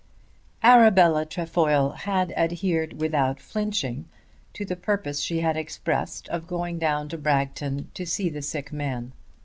Arabella Trefoil had adhered without flinching to the purpose she had expressed of going down to Bragton to see the sick man.